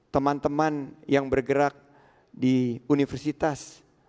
teman teman yang bergerak di universitas